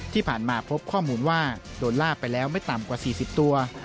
ที่ผ่านมาพบข้อมูลว่าโดนลากไปแล้วไม่ต่ำกว่า๔๐ตัว